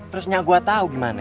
terusnya gue tau gimana